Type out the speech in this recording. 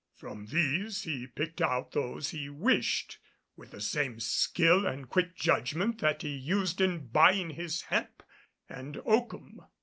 From these he picked out those he wished, with the same skill and quick judgment that he used in buying his hemp and oakum.